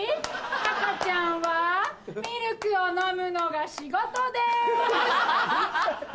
赤ちゃんはミルクを飲むのが仕事です。